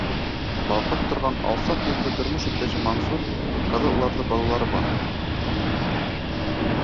Балҡып торған алсаҡ йөҙлө тормош иптәше Мансур, ҡыҙы, уларҙың балалары бар.